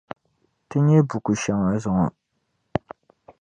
Ti nyɛ buku shɛŋa zɔŋɔ.